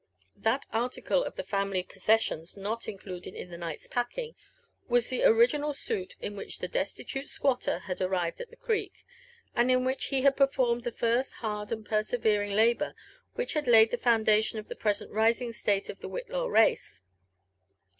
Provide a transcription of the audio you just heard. That arlicle of the family possessions not included in the night's packing was the original suit in which the destitute squatter had ar rived at the Creek, and in which he had performed the Orst hard and persevering labour which had laid the foundation of the present rising state of the Whillaw race.